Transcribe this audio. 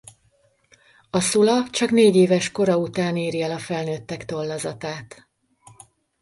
A szula csak négyéves kora után éri el a felnőttek tollazatát.